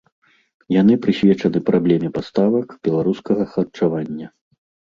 Яны прысвечаны праблеме паставак беларускага харчавання.